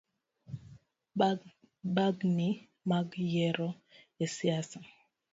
Bagni mag yiero esiasa